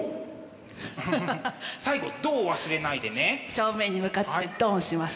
正面に向かってドンします。